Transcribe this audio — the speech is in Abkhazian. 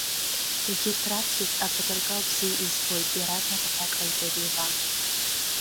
Егьырҭ раҵкыс апатырқал бзиа избоит, иаразнак аҭак ҟаиҵеит Леван.